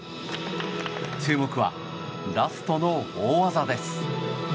注目はラストの大技です。